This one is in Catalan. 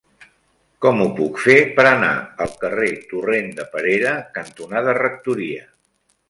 Com ho puc fer per anar al carrer Torrent de Perera cantonada Rectoria?